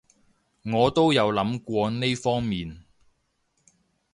我都有諗過呢方面